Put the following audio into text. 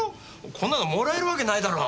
こんなのもらえるわけないだろう。